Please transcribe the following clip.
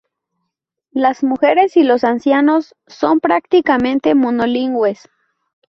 Las mujeres y los ancianos son prácticamente monolingües.